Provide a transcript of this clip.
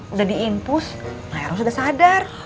udah diimpus maeros udah sadar